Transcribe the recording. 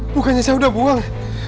bukannya saya udah buang